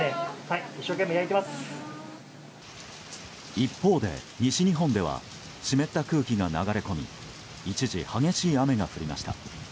一方で西日本では湿った空気が流れ込み一時、激しい雨が降りました。